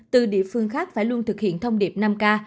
từ địa phương khác phải luôn thực hiện thông điệp năm k